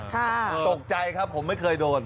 ตกใจครับผมไม่เคยโดน